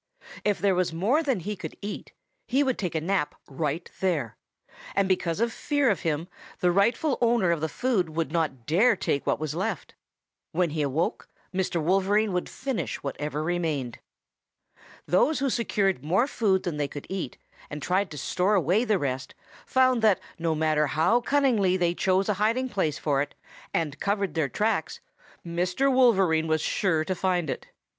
If there was more than he could eat, he would take a nap right there, and because of fear of him the rightful owner of the food would not dare take what was left. When he awoke Mr. Wolverine would finish what remained. "Those who secured more food than they could eat and tried to store away the rest found that no matter how cunningly they chose a hiding place for it and covered their tracks, Mr. Wolverine was sure to find it.